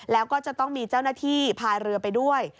แล้วก็จะต้องมีเจ้าหน้าที่พายเรือไปด้วย